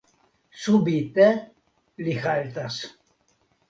Subite li haltas.